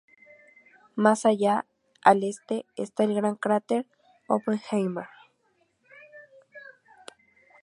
Más allá, al este, está el gran cráter Oppenheimer.